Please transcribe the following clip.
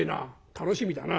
楽しみだな。